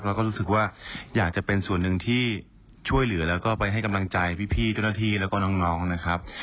แล้วก็รู้สึกว่าอยากจะเป็นส่วนหนึ่งที่ช่วยเหลือแล้วก็ไปให้กำลังใจพี่เจ้าหน้าที่แล้วก็น้องนะครับ